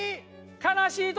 悲しい時。